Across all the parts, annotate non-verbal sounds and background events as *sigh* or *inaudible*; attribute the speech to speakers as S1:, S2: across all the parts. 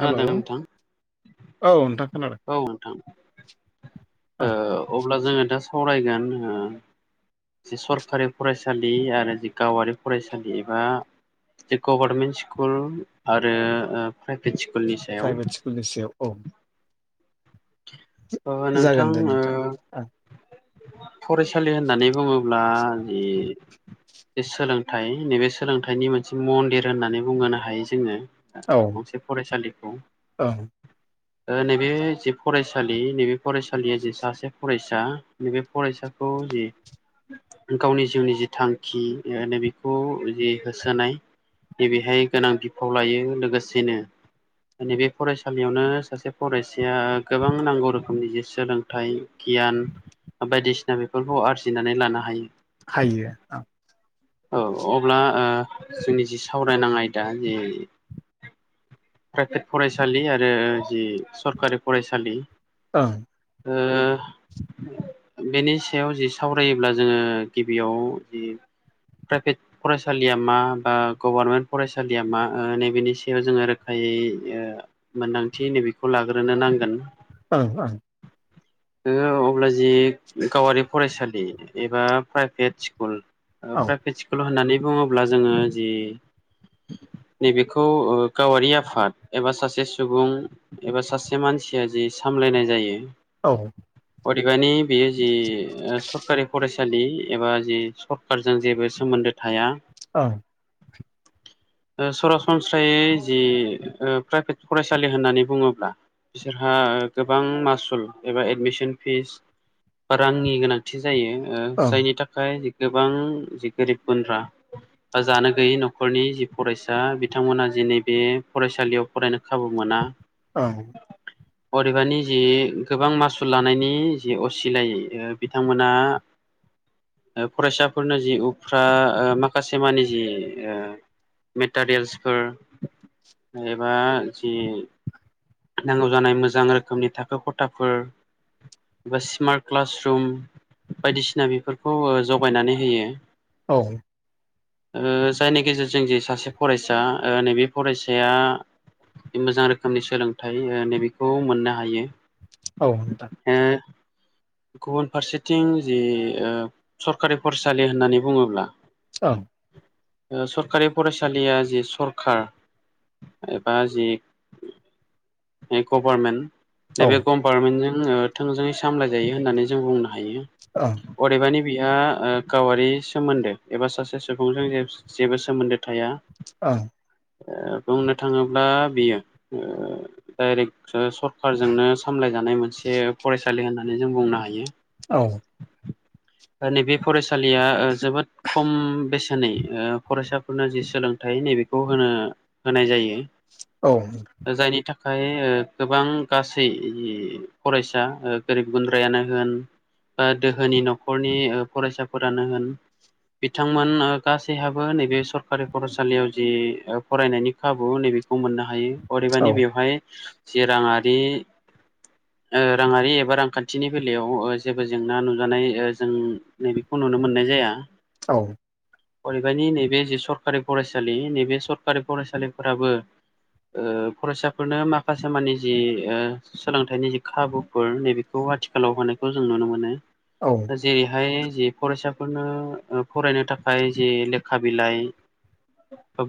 S1: Hello
S2: नोंथां
S1: औ नोंथां खोनाबाय
S2: औ नोंथां
S1: *inaudible*
S2: अब्ला जोङो दा सावरायगोन जोङो जि सरखारि फरायसालि आरो जि गावारि फरायसालि एबा गभारमेन्ट स्कुल आरो प्राइभेट स्कुलनि सायाव
S1: लोगोसेयाव औ
S2: ओ
S1: जागोन
S2: नोंथां
S1: दे
S2: ओ
S1: ओं
S2: फरायसालि होननानै बुङोब्ला जि सोलोंथाइ नैबे सोलोंथाइनि मोनसे मन्दिर होननानै बुंहोनो हायो जोङो
S1: औ
S2: गंसे फरायसालिखौ
S1: ओं
S2: नैबे जि फरायसालि नैबे फरायसालिया जि सासे फरायसा नैबे फरायसाखौ जि गावनि जिउनि जि थांखि बेखौ जि होसोनाय नैबेहाय गोनां बिफाव लायो लोगोसेनो नैबे फरायसालियावनो सासे फरायसाया गोबां नांगौ रोखोमनि जे सोलोंथाइ गियान बायदिसिना बेफोरखौ आरजिनानै लानो हायो
S1: हायो
S2: औ अब्ला ओ जोंनि जि सावरायनां आयदा जि प्राइभेट फरायसालि आरो जि सरकारि फरायसालि
S1: ओ।
S2: ओ बेनि सायाव जि सावरायोब्ला जोङो गिबियाव जि प्राइभेट फरायसालिया मा बा गभारनमेन्ट फरायसालिया मा नैबेनि सायाव जोङो रो ओ मोन्दांथि नैबेखौ लाग्रोनो नांगोन।
S1: ओ ओ।
S2: *unintelligible* अब्ला जि गावारि फरायसालि एबा प्राइभेट स्कुल प्राइभेट स्कुल होननानै बुङोब्ला जोङो जि नैबेखौ ओ गावारि आफाद एबा सासे सुबुं एबा सासे मानसिया जि सामलायनाय जायो
S1: औ
S2: अदेबानि बेयो जि सरकारि फराय सालि एबा जि सरखारजों जेबो सोमोन्दो थाया
S1: औ।
S2: सरासनस्रायै जि प्राइभेट फरायसालि होननानै बुङोब्ला बिसोरहा गोबां मासुल एबा एडमिसन फिस बा रांनि गोनां थि जायो
S1: औ ओं
S2: जायनि थाखाय गोबां जि गोरिब गुन्द्रा बा जानो गैयै न'खरनि जि फरायसा बिथांमोना जेै बे फरायसालियाव फरायनो खाबु मोना।
S1: औ।
S2: *inaudible* अदेबानि जि गोबां मासुल लानायनि जि असिलायै बिथांमोना ओ फरायसाफोरनो जि उफ्रा माखासे मानि जि ओ मेटारियेल्सफोर एबा जि नांगौ जानाय मोजां रोखोमनि थाखो खथाफोर एबा स्मार्ट क्लासरुम बायदिसिना बेफोरखौ जगायनानै होयो।
S1: औ।
S2: ओ जायनि गेजेरजों जे सासे फरायसा नैबे फरायसाया मोजां रोखोमनि सोलोंथाइ ओ नैबेखौ मोननो हायो।
S1: औ नोंथां।
S2: ओ गुबुन फारसेथिं जि सरखारि फरायसालि होननानै बुङोब्ला
S1: औ।
S2: ओ सरखारि फरायसालिया जि सरखार एबा जि गभार्नमेन्ट नै
S1: औ
S2: बे
S1: ओं
S2: गभार्नमेन्टजों थोंजोङै सामलाय जायो होननानै जों बुंनो हायो।
S1: औ।
S2: अदेबानि बिहा गावारि सोमोन्दो एबा सासे सुबुंजों जे जेबो सोमोन्दो थाया।
S1: ओ।
S2: ओ बुंनो थाङोब्ला बेयो ओ डाइरेक्ट सर खारजोंनो सामलाय जानाय मोनसे फरायसालि होननानै जों बुंनो हायो।
S1: औ।
S2: नैबे फरायसालिया जोबोद खम बेसेनै ओ फरायसा फोरनो जि सोलोंथाइ नैबेखौ होनो होनाय जायो।
S1: औ।
S2: जायनि था ओंखाय गोबां गासै फरायसा गोरिब गुन्द्रायानो होन बा दोहोनि न'खरनि फरायसाफोरानो होन बिथांमोन गासैहाबो नैबे सरकारि फरायसालियाव जि फरायनायनि खाबु नैबेखौ मोननो हायो
S1: औ
S2: अरेबानि बेवहाय जि राङारि ओ राङारि एबा रांखान्थिनि बेलायाव जेबो जेंना नुजानाय जों नैबेखौ नुनो मोननाय जाया।
S1: औ।
S2: अदेबानि नैबे जि सरखारि फरायसालि नैबे सरखारि फरायसालिफोराबो ओ फरायसाफोरनो माखासे मानि जि ओ सोलोंथाइनि जि खाबुफोर नैबेखौ आथिखालाव होनायखौ जों नुनो मोनो।
S1: औ।
S2: जेरैहाय ज फरायसाफोरनो फरायनो थाखाय जे लेखा बिलाइ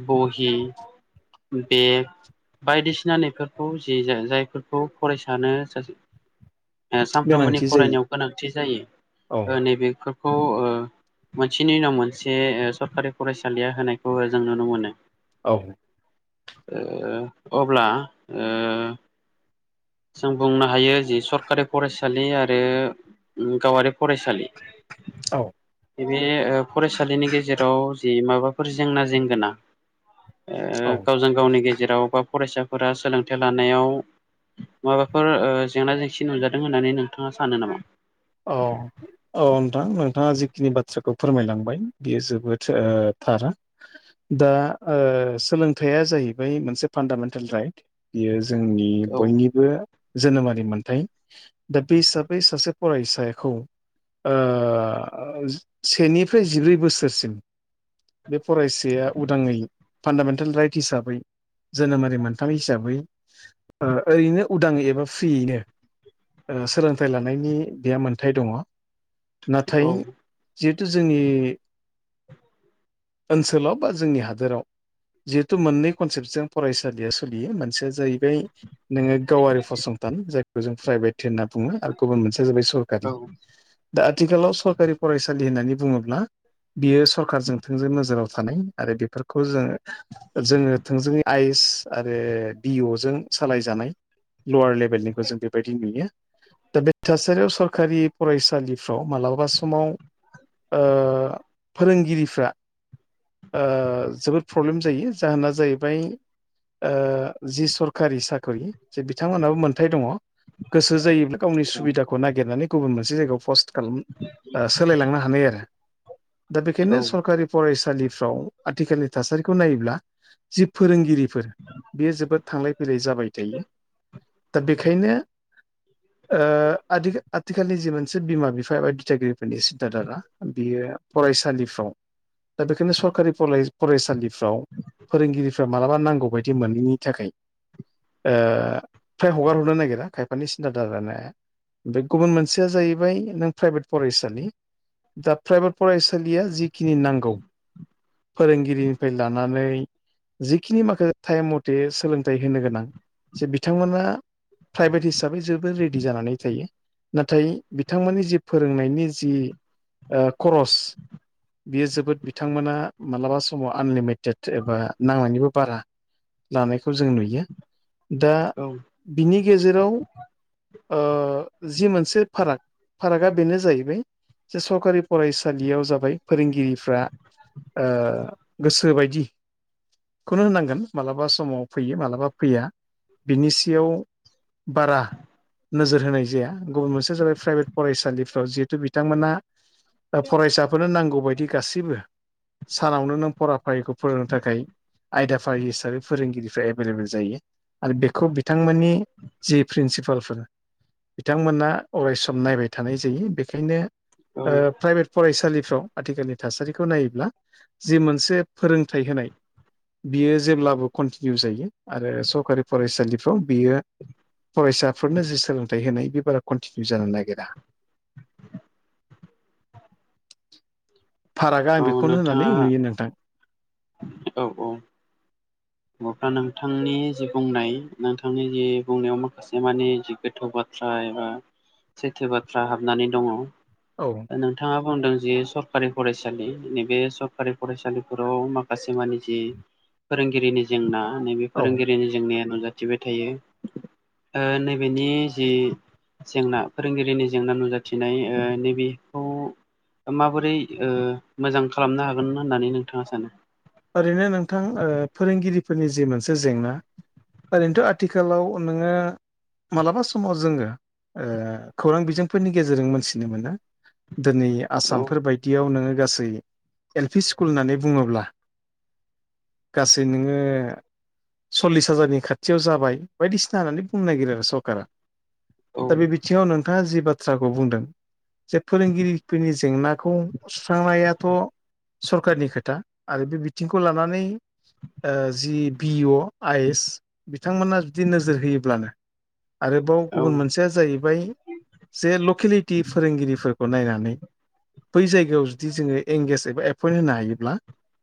S2: बहि बेग बायदिसि जानायफोरखौ जे जायफोरखौ फरायसानो सानफ्रोमबोनि
S1: गोनांथि जायो
S2: फरायनायाव गोनांथि
S1: औ
S2: जायो नैबेफोरखौ ओ मोनसेनि उनाव मोनसे सरकारि फरायसालिया होनायखौ जों नुनो मोनो।
S1: औ।
S2: अब्ला ओ जों बुंनो हायो जि सरखारि फरायसालि आरो गावारि फरायसालि
S1: औ।
S2: बे बे फरायसालिनि गेजेराव जि माबाफोर जेंना जेंगोना
S1: औ
S2: गावजों गावनि गेजेराव बा फरायसाफोरा सोलोंथाइ लानायाव माबाफोर जेंना जेंसि नुजादों होननानै नोंथाङा सानो नामा?
S1: अ। औ नोंथां नोंथाङा जिखिनि बाथ्राखौ फोरमायलांबाय बियो जोबोद थार। दा सोलोंथाइया जाहैबाय मोनसे फान्दामेन्टेल राइट। बियो जोंनि
S2: औ
S1: बयनिबो जोनोमारि मोन्थाय दा बे हिसाबै सासे फरायसाखौ ओ सेनिफ्राय जिब्रै बोसोरसिम बे फरायसाया उदाङै फान्दामेन्टेल राइट हिसाबै जोनोमारि मोनथाम हिसाबै ओरैनो उदाङै एबा फ्रियैनो सोलोंथाइ लानायनि बेहा मोनथाय दङ नाथाय
S2: औ
S1: जिहेथु जोंनि ओनसोलाव बा जोंनि हादोराव। जिहेथु मोननै कनसेप्टजों फरायसालिया सोलियो मोनसेया जाहैबाय नोङो गावारि फसंथान जायखौ जों प्राइभेट होनना बुङो आरो गुबुन मोनसे। जाबाय सरकारि
S2: औ
S1: दा आथिखालाव सरकारि फरायसालि होननानै बुङोब्ला बियो सरखारारजों थोंजो नोजोराव थानाय आरो बेफोरखौ जोंङो जोङो थोंजोङै आइस आरो बि अ जों सालायजानाय *inaudible* *inaudible* नायखौ जों बेबायदि नुयो दा बे थासारियाव सरखारि फरायसालिफ्राव मालाबा समाव। ओ फोरोंगिरिफ्रा जोबोद प्रब्लेम जायो जाहोना जाहैबाय ओ जि सरखारि साख्रि जे बिथांमोनहाबो मोन्थाय दङ। गोसो जायोब्ला गावनि सुबिदाखौ नागिरनानै गुबुन मोनसे जायगायाव फस्ट सोलायलांनो हानाय आरो दा बेखायनो
S2: औ
S1: सरकारि फरायसालिफ्राव आथिखालनि थासारिखौ नायोब्ला जि फोरोंगिरि बियो जोबोद थांलाय फैलाय जाबाय थायो दा बेखायनो ओ आदि आथिखालनि जि मोनसे बिमा बिफा एबा दिथागिरिफोरनि सिन्था दारा बियो फरायसालिफ्राव दा बेखायनो सरकारि फरायसालिफ्राव फोरोंगिरि मालाबा नांगौ बायदि मोनैनि थाखाय ओ फ्राय हगार हरनो नागिरा खायफानि सिन्था दारानाया बे ओमफ्राय गुबुन मोनसेया जाहैबाय नों प्राइभेट फरायसालि दा प्राइभेट फरायसालिया जिखिनि नांगौ। फोरोंगिरिनिफ्राय लानानै जिखिनि माखासे टाइम मथे सोलोंथाइ होनो गोनां जे बिथांमोना। प्राइभेट हिसाबै जोबबोोर रेडि जानानै जायो नाथाय बिथांमोननि जि फोरोंनायनि जि खरस बियो जोबोद बिथांमोना मालाबा समाव आनलिमिट एबा नांनायनिबो बारा लानायखौ जों नुयो दा
S2: औ
S1: बिनि गेजेराव ओ जि मोनसे फाराग फारागा बेनो जाहैबाय जे सरकारि फरायसालियाव जाबाय फोरोंगिरिफ्रा ओ गोसोबायदि खौनो होनांगोन मालाबा समाव फैयो मालाबा फैया बिनि सियाव बारा नोजोर होनाय जाया गुबुन मोनसे जाबाय प्राइभेट फरायसालिफ्राव जिहेतु बिथांमोना दा फरायसाफोरनो नांगौबायदि गासैबो सानावनो नों फराफारिखौ फोरोंनो थाखाय आयदाफारि हिसाबै फोरोंगिरिफ्रा एभेलेबेल जायो आरो बेखौ बिथांमोननि जि प्रिन्सिपालफोर बिथांमोना अरायसम नायबाय थानाय जायो बेखायनो
S2: औ
S1: प्राइभेट फरायसालिफ्राव आथिखालनि थासारिखौ नायोब्ला जि मोनसे फोरोंथाइ होनाय बियो जेब्लाबो कन्टिनिउ जायो आरो सरकारि फरायसालिफ्राव बियो फरायसाफोरनो जि सोलोंथाइ होनाय बे बारा कन्टिनिउ जानो नागिरा फारागा आं
S2: औ
S1: बेखौनो
S2: नोंथाङा
S1: होननानै नुयो नोंथां
S2: औ औ। अब्ला नोंथांनि जि बुंनाय नोंथांनि जि बुंनायाव माखासे मानि जि गोथौ बाथ्रा बाथ्रा एबा सैथो बाथ्रा हाबनानै दङ
S1: औ
S2: नोंथाङा बुंदों जि सरखारि फरायसालि नैबे सरखारि फरायसालिफोराव माखासे माने जि फोरोंगिरिनि जेंना नैबे
S1: औ
S2: फोरोंगिरिनि जेंनाया नुजाथिबाय थायो। ओ नैबेनि जि जेंना फोरोंगिरिनि नुजाथिनाय ओ नैबेखौ माबोरै मोजां खालामनो हागोन होननानै नोंथाङा सानो?
S1: ओरैनो नोंथां फोरोंगिरिफोरनि जि मोनसे जेंना ओरैनोथ' आथिखालाव नोङो मालाबा समाव जोङो खौरां बिजोंफोरनि गेजेरजों मोनथिनो मोनो दिनै
S2: औ
S1: आसामफोर बायदियाव नोङो गासै एल पि स्कुल होननानै बुङोब्ला गासै नोङो सल्लिस हाजारनि खाथियाव जाबाय बायदिसिना होननानै बुंनो नागिरो आरो सरकारा दा बे
S2: औ
S1: बिथिङाव नोंथाङा जि बाथ्राखौ बुंदों जे फोरोंगिरिफोरनि जेंनाखौ सुस्रांनायाथ' सरखारनि खोथा आरो बे बिथिंखौ लानानै जि बि अ आइ एस बिथांमोना जुदि नोजोर होयोब्लानो आरोबाव गुबुन मोनसेया जाहैबाय जे लकेलिटि फोरोंगिरिफोरखौ नायनानै बै जायगायाव जुदि जोङो एंगेज एबा एपइन्ट होनो हायोब्ला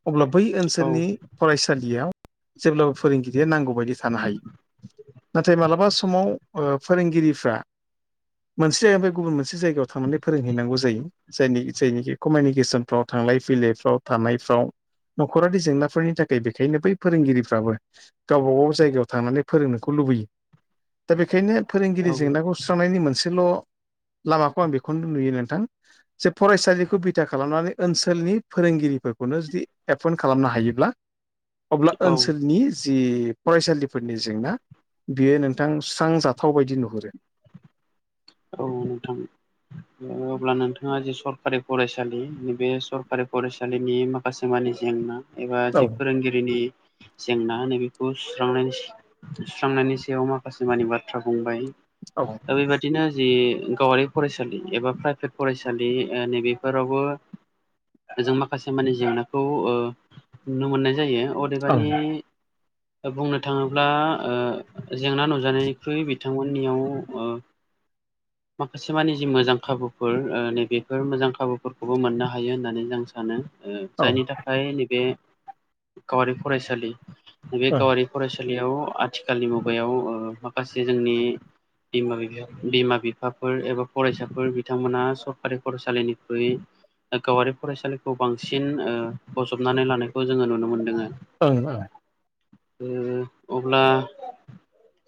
S1: अब्ला बै
S2: औ
S1: ओनसोलनि फरायसालियाव जेब्लाबो फोरोंगिरिया नांगौ बयदि थानो हायो नाथाय मालाबा समाव ओ फोरोंगिरिफ्रा मोनसे जायगानिफ्राय गुबुन मोनसे जायगायाव थांनानै फोरोंहैनांगौ जायो। जायनि जायनिखि कमिनिकेसनफ्राव थांलाय फैलायफ्राव थानाय फ्राव न'खरारि जेंनाफोरनि थाखाय बेखायनो बै फोरोंगिरिफ्राबो गावबा गाव जायगायाव थांनानै फोरोंनोखौ लुबैयो दा बेखायनो फोरोंगिरि
S2: औ
S1: जेंनाखौ सुस्रांनायनि मोनसेल' लामाखौ आं बेखौनो नुयो नोंथां। जे फरायसालिखौ बिथा खालामनानै ओनसोलनि फोरोंगिरिफोर खौनो जुदि एपइनद खालामनो हायोब्ला अब्ला ओनसोलनि जि फरायसालिफोरनि जेंना बियो नोंथां सुस्रांजाथाव बायदि नुहुरो
S2: औ नोंथां। अब्ला नोंथाङा जे सरखारि फरायसालि बे सरखारि फरायसालिनि मा खासेमानि जेंना एबा
S1: औ
S2: जि फोरोंगिरिनि जेंना *unintelligible* बेखौ सुस्रांनायनि सुस्रांनायनि सायाव माखासे मानि बाथ्रा बुंबाय।
S1: औ ओं
S2: दा बेबा दिनो जि गावारि फरायसालि एबा प्राइभेट फरायसालि ओ नैबेफोरावबो जों माखासे माने जेंनाखौ ओ नुनो मोननाय जायो। अदेबानि बुंनो थाङोब्ला ओ जेंना नुजानायनिख्रुइ -' बिथांमोननियाव आ माखासे मानि जि मोजां खाबुफोर नैबेफोर मोजां खाबुफोरखौबो मोननो हायो होननानै जों सानो।
S1: औ ओं
S2: जायनि थाखाय नैबे गावारि फरायसालि नैबे गावारि फरायसालियाव आथिखालनि मुगायाव माखासे जोंनि बिमा बिफाया बिमा बिफाफोर एबा फरायसाफोर बिथांमोना सरकारि फरायसालिनिख्रुइ गावारि फरायसालिखौ बांसिन ओ बजबनानै लानायखौ जोङो नुनो मोनदों।
S1: ओं ओं।
S2: उम अब्ला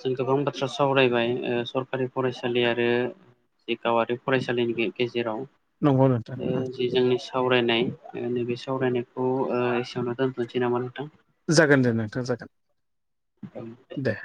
S2: जों गोबां बाथ्रा सावरायबाय ओ सरकारि फरायसालि आरो बे गावारि फरायसालिनि गेजेराव।
S1: नंगौ नोंथां ओं
S2: जि जोंनि सावरायनाय नैबे सावरायनायखौ ओ एसेयावनो दोनथ'नोसै नामा नोंथां?
S1: जागोन दे नोंथां जागोन।
S2: औ
S1: दे।